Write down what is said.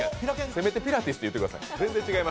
せめてピラティスって言ってください。